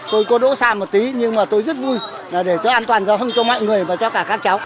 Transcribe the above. tôi có đỗ sai một tí nhưng mà tôi rất vui là để cho an toàn giao thông cho mọi người và cho cả các cháu